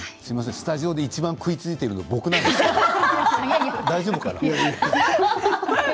スタジオでいちばん食いついているのが僕なんですけど大丈夫かな？